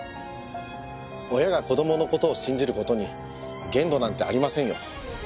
親が子どもの事を信じる事に限度なんてありませんよ。